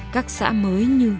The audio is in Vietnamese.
các xã mới như